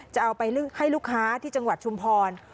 จะเอาไปให้ลูกค้าที่จังหวัดชุมพร